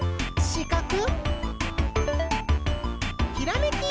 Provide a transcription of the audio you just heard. しかく！